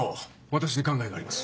私に考えがあります。